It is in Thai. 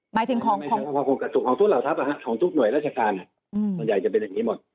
หมายถึงของทุกหน่วยราชการบรรยายจะเป็นแบบนี้หมด